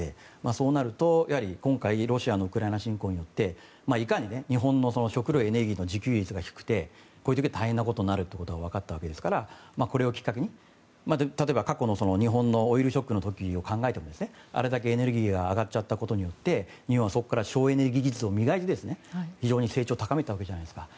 そうなると、今回ロシアのウクライナ侵攻によっていかに日本の食料、エネルギーの自給率が低くてこういう時は大変になるかわかったわけですからこれをきっかけに例えば、過去の日本のオイルショックのことを考えてもあれだけエネルギーが上がっちゃったことによって日本はそこから省エネ技術を磨いて非常に成長を高めたわけじゃないですか。